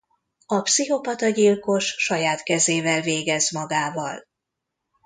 A pszichopata gyilkos saját kezével végez magával.